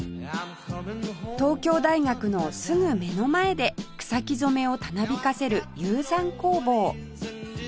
東京大学のすぐ目の前で草木染をたなびかせる熊山工房